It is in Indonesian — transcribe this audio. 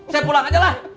saya pulang aja lah